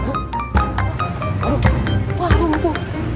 kak berg retransformasi